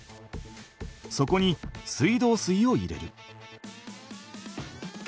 そこに水道水を入れる。